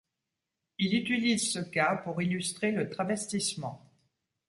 Il utilise ce cas pour illustrer le travestissement.